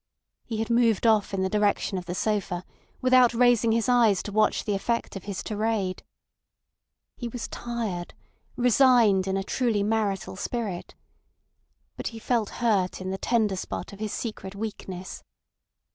He had moved off in the direction of the sofa, without raising his eyes to watch the effect of his tirade. He was tired, resigned in a truly marital spirit. But he felt hurt in the tender spot of his secret weakness.